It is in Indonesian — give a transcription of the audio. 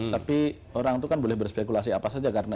tapi orang itu kan boleh berspekulasi apa saja karena